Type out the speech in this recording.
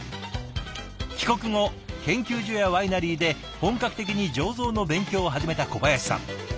帰国後研究所やワイナリーで本格的に醸造の勉強を始めた小林さん。